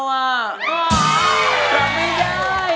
กลับไม่ได้